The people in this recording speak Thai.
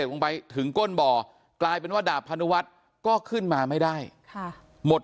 ลงไปถึงก้นบ่อกลายเป็นว่าดาบพนุวัฒน์ก็ขึ้นมาไม่ได้ค่ะหมด